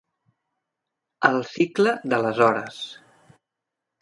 El cicle de les hores.